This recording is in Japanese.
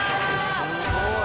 すごい！